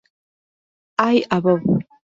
High above.